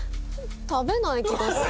食べない気がする。